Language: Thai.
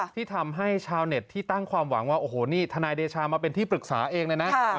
ที่ทำให้ชาวเน็ตที่ตั้งความหวังว่าโอ้โหนี่ทนายเดชามาเป็นที่ปรึกษาเองเลยนะ